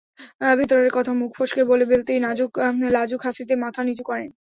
ভেতরের কথা মুখ ফসকে বলে ফেলতেই লাজুক হাসিতে মাথা নিচু করেন।